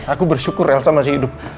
aku bersyukur elsa masih hidup